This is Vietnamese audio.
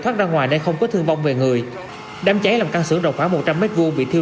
thoát ra ngoài nên không có thương vong về người đám cháy làm căn xưởng rộng khoảng một trăm linh m hai bị thiêu